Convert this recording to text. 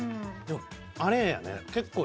あれやね